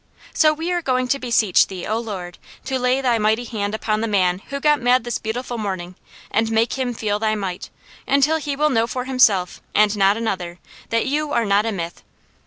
So we are going to beseech Thee, O Lord, to lay Thy mighty hand upon the man who got mad this beautiful morning and make him feel Thy might, until he will know for himself and not another, that You are not a myth.